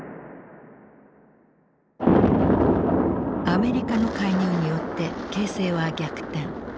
アメリカの介入によって形勢は逆転。